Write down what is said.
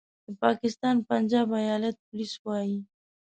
د پاکستان پنجاب ایالت پولیس وايي